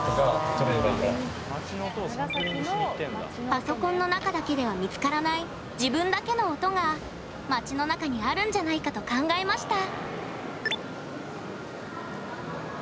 パソコンの中だけでは見つからない自分だけの音が街の中にあるんじゃないかと考えました。